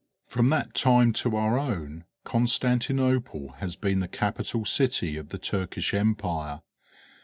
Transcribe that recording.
From that time to our own Constantinople has been the capital city of the Turkish Empire.